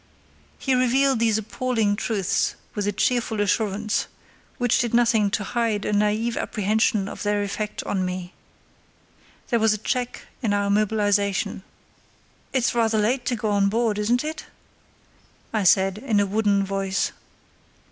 He revealed these appalling truths with a cheerful assurance, which did nothing to hide a naïve apprehension of their effect on me. There was a check in our mobilisation. "It's rather late to go on board, isn't it?" I said, in a wooden voice.